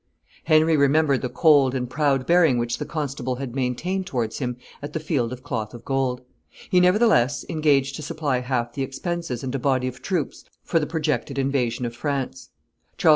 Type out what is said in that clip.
Henry remembered the cold and proud bearing which the constable had maintained towards him at the Field of Cloth of Gold. He, nevertheless, engaged to supply half the expenses and a body of troops for the projected invasion of France. Charles V.